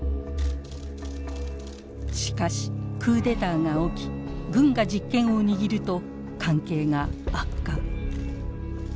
しかしクーデターが起き軍が実権を握ると関係が悪化。